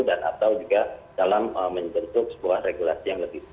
dan atau juga dalam menjentuk sebuah regulasi